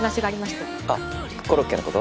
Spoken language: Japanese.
あっコロッケの事？